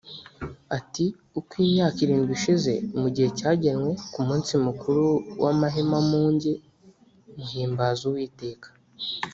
ati «uko imyaka irindwi ishize, mu gihe cyagenwe, ku munsi mukuru w’amahemamuge muhimbaza uwiteka.